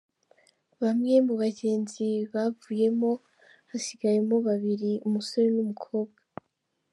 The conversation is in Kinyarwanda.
Bamwe mu bagenzi bavuyemo hasigayemo babiri, umusore n’umukobwa.